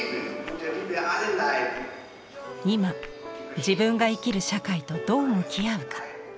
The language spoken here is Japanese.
今自分が生きる社会とどう向き合うか？